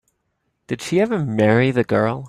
Did she ever marry the girl?